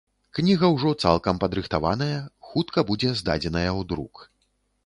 Кніга ўжо цалкам падрыхтаваная, хутка будзе здадзеная ў друк.